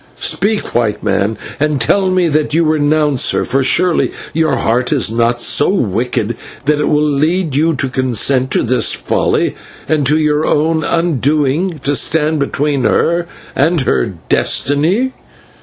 "Speak, White Man, and tell me that you renounce her, for surely your heart is not so wicked that it will lead you to consent to this folly, and to your own undoing to stand between her and her destiny."